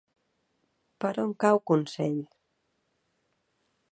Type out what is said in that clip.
Per on cau Consell?